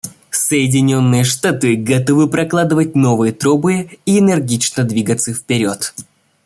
Соединенные Штаты готовы прокладывать новые тропы и энергично продвигаться вперед.